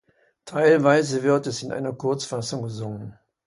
Teilweise wird es in einer Kurzfassung gesungen.